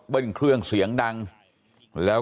บอกแล้วบอกแล้วบอกแล้ว